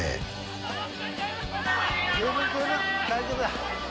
大丈夫だ。